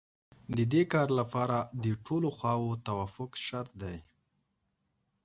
د دې کار لپاره د ټولو خواوو توافق شرط دی.